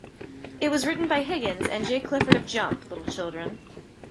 It was written by Higgins and Jay Clifford of Jump, Little Children.